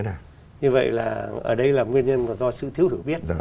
như vậy là ở đây là nguyên nhân do sự thiếu thử biết